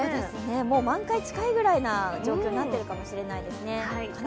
もう満開近いぐらいな状況になっているかもしれないですね。